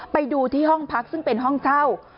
ไปดูที่ห้องพักซึ่งเป็นห้องเช่า